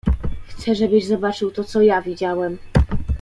"Chcę, żebyś zobaczył to co ja widziałem."